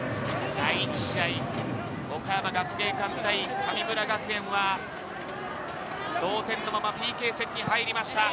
第１試合、岡山学芸館対神村学園は同点のままＰＫ戦に入りました。